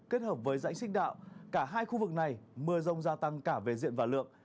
kết hợp với rãnh sinh đạo cả hai khu vực này mưa rông gia tăng cả về diện và lượng